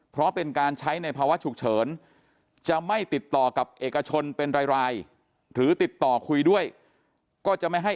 เพราะเป็นการใช้ในภาวะฉุกเฉินจะไม่ติดต่อกับเอกชนเป็นรายหรือติดต่อคุยด้วยก็จะไม่ให้